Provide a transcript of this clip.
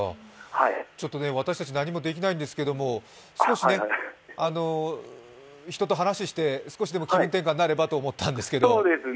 私たち何もできないんですけど少し、人と話しして少しでも気分転換になればと思ったんですけど。